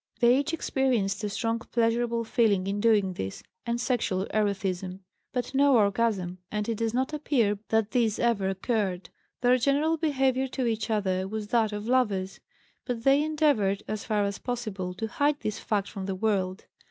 They each experienced a strong pleasurable feeling in doing this, and sexual erethism, but no orgasm, and it does not appear that this ever occurred. Their general behavior to each other was that of lovers, but they endeavored, as far as possible, to hide this fact from the world.